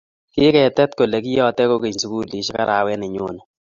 kikitet kele kiyote kukeny sukulisiek arawe ne nyone